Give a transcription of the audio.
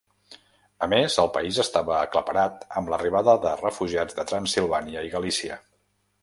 A més, els país estava aclaparat amb l'arribada de refugiats de Transilvània i Galícia.